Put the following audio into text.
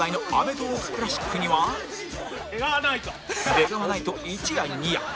出川ナイト１夜２夜